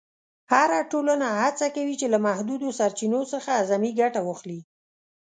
هره ټولنه هڅه کوي چې له محدودو سرچینو څخه اعظمي ګټه واخلي.